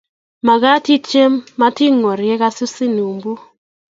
Makat itiem mating'war ye kasusin mbu